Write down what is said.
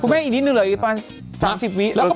พระเจ้าให้อีกนิดนึงเหรออีกป้านสามสิบวินิว๓๐สิบวินิ